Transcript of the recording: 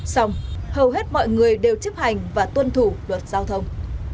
xong hầu hết mọi người đều chấp hành và tuân thủ luật giao thông